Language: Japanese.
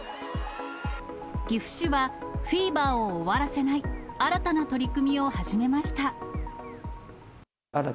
岐阜市は、フィーバーを終わらせない新たな取り組みを始めました。